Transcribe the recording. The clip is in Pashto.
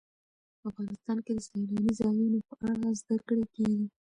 افغانستان کې د سیلاني ځایونو په اړه زده کړه کېږي.